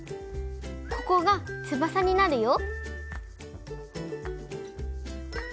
ここがつばさになるよ。